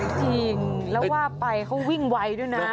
จริงแล้วว่าไปเขาวิ่งไวด้วยนะ